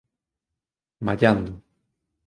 Mallado